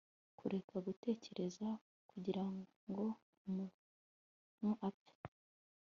Kureka gutekereza kugirango umuntu apfe